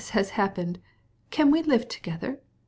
has happened, can we live together?